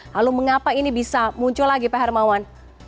lalu mengapa ini bisa muncul lagi pak hermawan